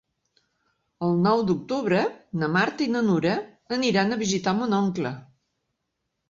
El nou d'octubre na Marta i na Nura aniran a visitar mon oncle.